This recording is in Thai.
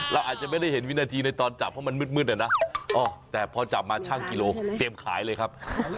เราอาจจะไม่ได้เห็นวินาทีในตอนจับเพราะมันมืดนะแต่พอจับมาช่างกิโลเตรียมขายเลยครับ